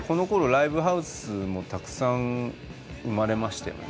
ライブハウスもたくさん生まれましたよね。